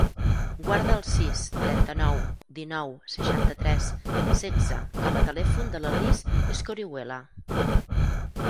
Guarda el sis, trenta-nou, dinou, seixanta-tres, setze com a telèfon de la Lis Escorihuela.